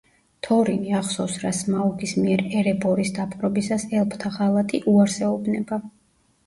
თორინი, ახსოვს რა სმაუგის მიერ ერებორის დაპყრობისას ელფთა ღალატი, უარს ეუბნება.